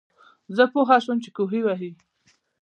زۀ پوهه شوم چې کوهے وهي